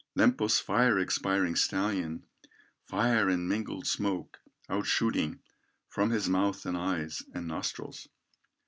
Lempo's fire expiring stallion Fire and mingled smoke out shooting From his mouth, and eyes, and nostrils.